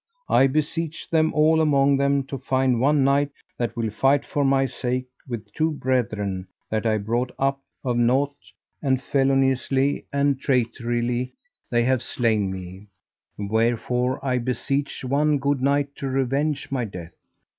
I beseech them all among them to find one knight that will fight for my sake with two brethren that I brought up of nought, and feloniously and traitorly they have slain me; wherefore I beseech one good knight to revenge my death.